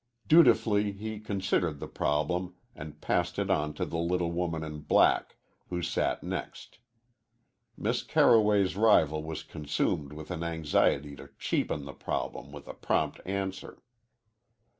Dutifully he considered the problem and passed it on to the little woman in black, who sat next. Miss Carroway's rival was consumed with an anxiety to cheapen the problem with a prompt answer.